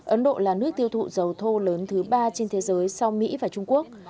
ấn độ là nước tiêu thụ dầu thô lớn thứ ba trên thế giới sau mỹ và trung quốc